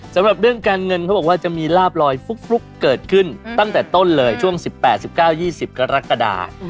สำหรับเรื่องการเงินเขาบอกว่าจะมีลาบลอยฟลุกเกิดขึ้นตั้งแต่ต้นเลยช่วง๑๘๑๙๒๐กรกฎา